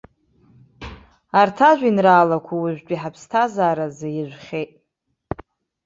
Арҭ ажәеинраалақәа уажәтәи ҳаԥсҭазара азы иажәхьеит.